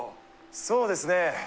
そうですね